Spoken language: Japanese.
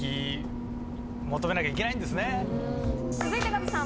続いてカズさん